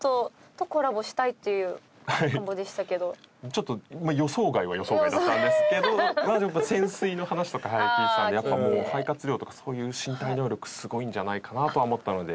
ちょっと予想外は予想外だったんですけどまあ潜水の話とか拝見したんでやっぱもう肺活量とかそういう身体能力すごいんじゃないかなとは思ったので。